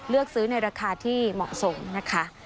เลือกซื้อในราคาที่เหมาะสมนะคะ